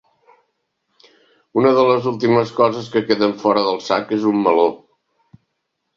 Una de les últimes coses que queden fora del sac és un meló.